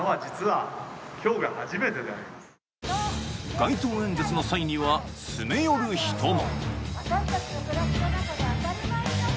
街頭演説の際には詰め寄る人も。